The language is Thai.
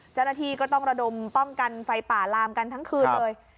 เจ้าหน้าที่ก็ต้องระดมป้องกันไฟป่าลามกันทั้งคืนเลย